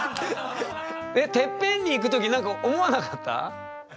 てっぺんに行く時なんか思わなかった？